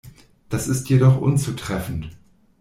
Das ist jedoch unzutreffend.